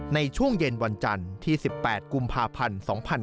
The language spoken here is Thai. ในช่วงเย็นวันจันทร์ที่๑๘กุมภาพันธ์๒๕๕๙